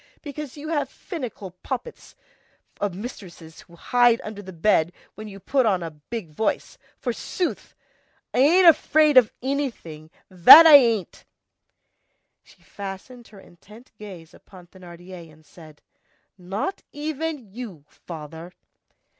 Because you have finical poppets of mistresses who hide under the bed when you put on a big voice, forsooth! I ain't afraid of anything, that I ain't!" She fastened her intent gaze upon Thénardier and said:— "Not even of you, father!"